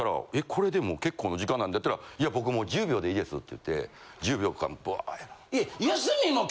これでも結構な時間なるやったらいや僕もう１０秒でいいですって言って１０秒間バーッやる。